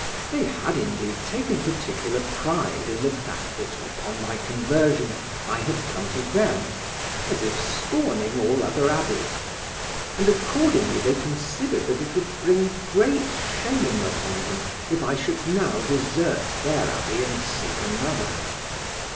They had, indeed, taken particular pride in the fact that, upon my conversion, I had come to them, as if scorning all other abbeys, and accordingly they considered that it would bring great shame upon them if I should now desert their abbey and seek another.